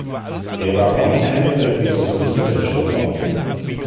Er war Anhänger der Philosophie der Stoa.